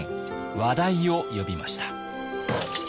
話題を呼びました。